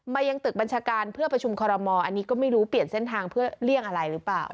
ยังตึกบัญชาการเพื่อประชุมคอรมอลอันนี้ก็ไม่รู้เปลี่ยนเส้นทางเพื่อเลี่ยงอะไรหรือเปล่า